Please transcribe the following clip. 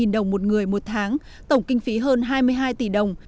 năm trăm linh đồng một người một tháng tổng kinh phí hơn hai mươi hai tỷ đồng